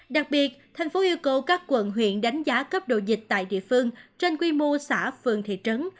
đặc biệt thành phố yêu cầu các quận huyện đánh giá cấp độ dịch tại địa phương trên quy mô xã phường thị trấn